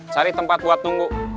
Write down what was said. cari tempat buat nunggu